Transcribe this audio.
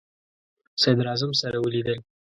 صدراعظم سره ولیدل.